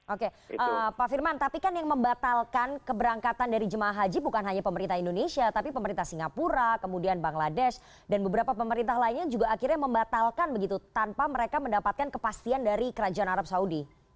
oke pak firman tapi kan yang membatalkan keberangkatan dari jemaah haji bukan hanya pemerintah indonesia tapi pemerintah singapura kemudian bangladesh dan beberapa pemerintah lainnya juga akhirnya membatalkan begitu tanpa mereka mendapatkan kepastian dari kerajaan arab saudi